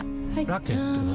ラケットは？